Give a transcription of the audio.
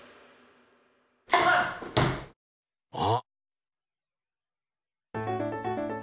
あっ！